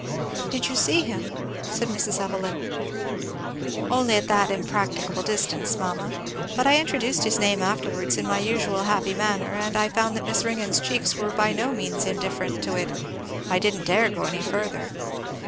"Did you see him?" said Mrs. Evelyn. "Only at that impracticable distance, mamma; but I introduced his name afterwards in my usual happy manner and I found that Miss Ringgan's cheeks were by no means indifferent to it. I didn't dare go any further."